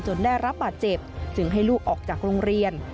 ได้รับบาดเจ็บจึงให้ลูกออกจากโรงเรียน